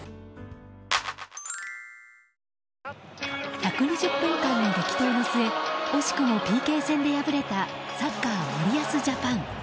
１２０分間の激闘の末惜しくもＰＫ戦で敗れたサッカー森保ジャパン。